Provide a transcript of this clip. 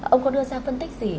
ông có đưa ra phân tích gì